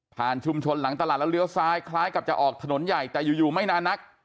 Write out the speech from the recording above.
ชุมชนหลังตลาดแล้วเลี้ยวซ้ายคล้ายกับจะออกถนนใหญ่แต่อยู่ไม่นานนัก